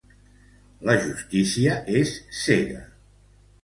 La justícia és cega.